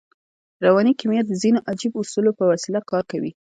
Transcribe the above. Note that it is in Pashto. رواني کیمیا د ځينو عجیبو اصولو په وسیله کار کوي